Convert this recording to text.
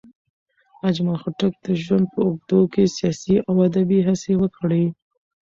اجمل خټک د ژوند په اوږدو کې سیاسي او ادبي هڅې وکړې.